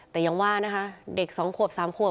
แต่ยังว่านะคะเด็กสองขวบสามขวบ